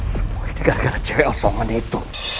semua ini gara gara cewek osongan itu